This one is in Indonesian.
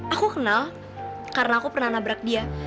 aku kenal karena aku pernah nabrak dia